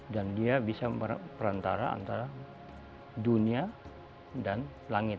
dan dia bisa merupakan perantara antara dunia dan langit